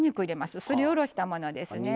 すり下ろしたものですね。